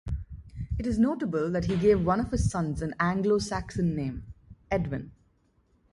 It is notable that he gave one of his sons an Anglo-Saxon name, Edwin.